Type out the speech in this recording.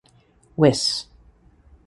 Wiss.